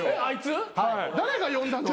誰が呼んだの？